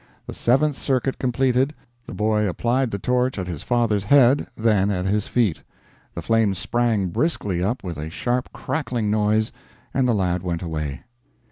The seventh circuit completed, the boy applied the torch at his father's head, then at his feet; the flames sprang briskly up with a sharp crackling noise, and the lad went away.